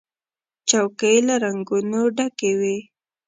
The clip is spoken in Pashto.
چوکۍ له رنګونو ډکې وي.